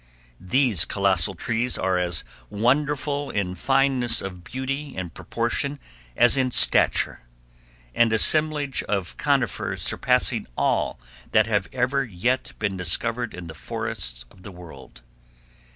These colossal trees are as wonderful in fineness of beauty and proportion as in stature—an assemblage of conifers surpassing all that have ever yet been discovered in the forests of the world.